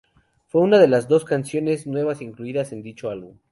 Fue una de las dos canciones nuevas incluidas en dicho álbum.